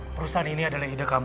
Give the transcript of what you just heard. perusahaan ini adalah ide kami